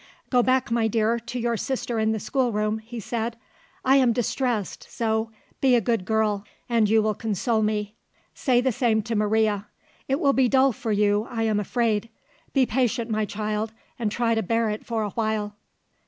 "Go back, my dear, to your sister in the schoolroom," he said. "I am distressed, Zo; be a good girl, and you will console me. Say the same to Maria. It will be dull for you, I am afraid. Be patient, my child, and try to bear it for a while."